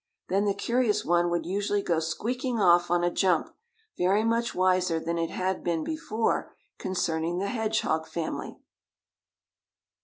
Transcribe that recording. Then the curious one would usually go squeaking off on a jump, very much wiser than it had been before concerning the hedgehog family.